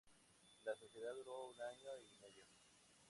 La sociedad duró un año y medio.